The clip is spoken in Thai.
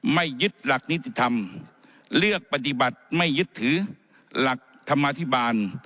ไม่ยึดหลักนิติธรรมเลือกปฏิบัติไม่ยึดถือหลักธรรมาธิบาล